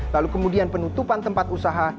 lalu kemudian penutupan tempat usaha